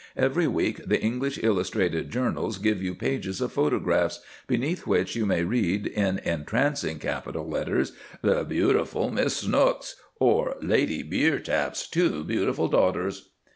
Every week the English illustrated journals give you pages of photographs, beneath which you may read in entrancing capital letters, "The beautiful Miss Snooks," or "Lady Beertap's two beautiful daughters."